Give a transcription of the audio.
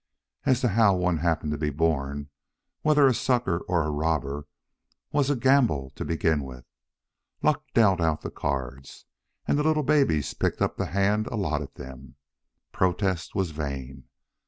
As to how one happened to be born whether a sucker or a robber was a gamble to begin with; Luck dealt out the cards, and the little babies picked up the hands allotted them. Protest was vain.